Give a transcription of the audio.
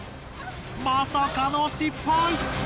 まさかの失敗！